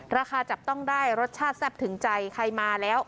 จับต้องได้รสชาติแซ่บถึงใจใครมาแล้ว